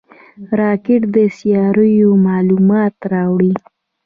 راکټ د سیارویو معلومات راوړي